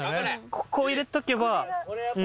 ここを入れとけば。